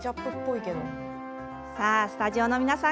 スタジオの皆さん